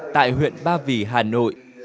tại huyện ba vì hà nội